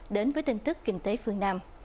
đến với tin tức kinh tế phương nam